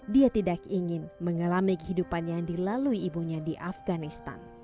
dia tidak ingin mengalami kehidupan yang dilalui ibunya di afganistan